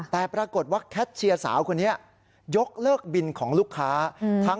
แต่ปรากฏว่าแคทเชียร์สาวคนนี้ยกเลิกบินของลูกค้า